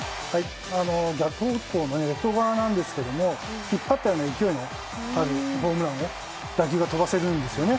逆方向のレフト側なんですが引っ張ったような勢いのあるホームランそういう打球が飛ばせるんですよね。